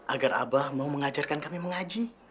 agar abah mau mengajarkan kami mengaji